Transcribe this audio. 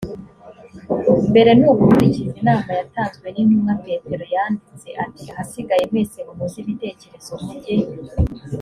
mbere ni ugukurikiza inama yatanzwe n intumwa petero yaranditse ati ahasigaye mwese muhuze ibitekerezo mujye